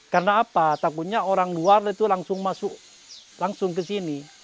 karena apa takutnya orang luar itu langsung masuk langsung ke sini